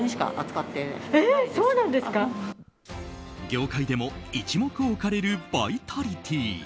業界でも一目置かれるバイタリティー。